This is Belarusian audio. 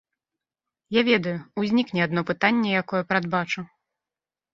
Я ведаю, узнікне адно пытанне, якое прадбачу.